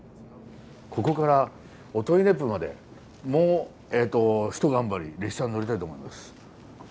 ここから音威子府までもうひと頑張り列車に乗りたいと思います。